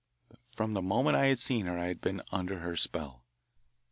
From the moment I had seen her I had been under her spell.